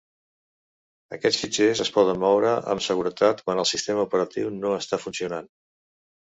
Aquests fitxers es poden moure amb seguretat quan el sistema operatiu no està funcionant.